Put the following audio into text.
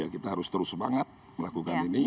kita harus terus semangat melakukan ini